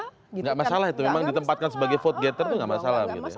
tidak masalah itu memang ditempatkan sebagai vote getter itu nggak masalah